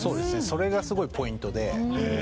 それがスゴいポイントで・へえ